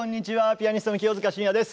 ピアニストの清塚信也です。